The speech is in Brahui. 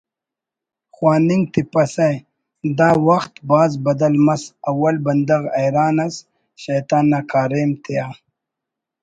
خواننگ تپسہ دا وخت بھاز بدل مس اول بندغ حیران ئس شیطان نا کاریم تیا‘